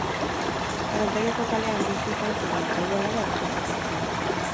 Errenteriako kalean bizi izan ziren, eta hiru alaba eduki zituzten.